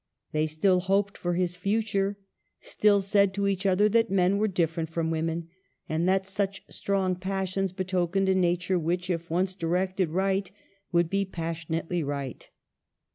They still hoped for his future, still said to each other that men were different from women, and that such strong passions betokened a nature which, if once directed right, would be passion ately right.